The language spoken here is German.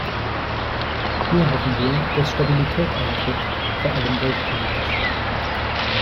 Hier hoffen wir, dass Stabilität eintritt – vor allem weltpolitisch.